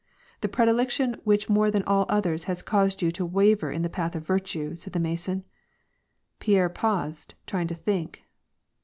^' The predilection which more than all others has caused yon to waver in the path of virtue," said the Mason. Pierre paused ; trying to think.